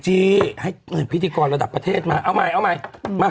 สดใหม่เอาใหม่ให้พิธีกรระดับประเทศมาเอาใหม่เอาใหม่มา